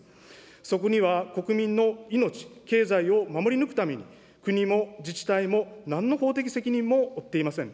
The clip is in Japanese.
そこには国民の命、経済を守り抜くために、国も自治体もなんの法的責任も負っていません。